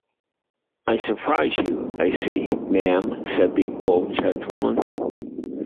‘I surprise you, I see, ma’am,’ said the old gentleman.